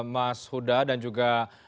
mas huda dan juga